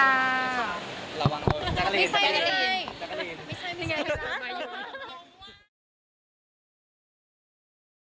ไม่ใช่ไม่ใช่